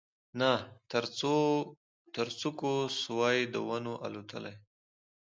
نه تر څوکو سوای د ونو الوتلای